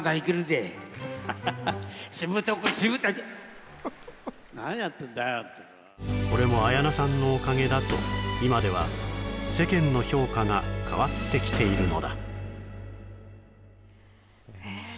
全くこれも綾菜さんのおかげだと今では世間の評価が変わってきているのだえっ